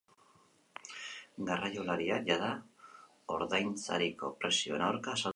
Garraiolariak jada ordainsariko prezioen aurka azaldu dira.